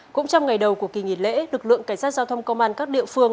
cũng trong ngày đầu của kỳ nghỉ lễ lực lượng cảnh sát giao thông công an các địa phương